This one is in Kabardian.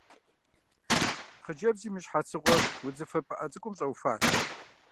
Хъыджэбзым и щхьэцыгъуэр удзыфэ пыӀэ цӀыкӀумкӀэ щӀэуфат.